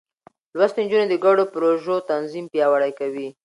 لوستې نجونې د ګډو پروژو تنظيم پياوړې کوي.